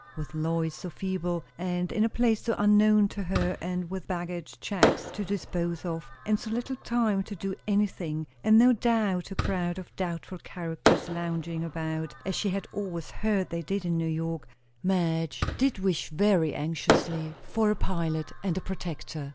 With Lois so feeble, and in a place so unknown to her, and with baggage checks to dispose of, and so little time to do anything, and no doubt a crowd of doubtful characters lounging about, as she had always heard they did in New York; Madge did wish very anxiously for a pilot and a protector.